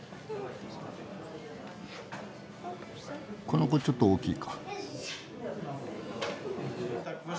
この子ちょっと大きいか。